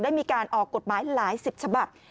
ได้มีการออกกฎหมายหลายสิบฉบับ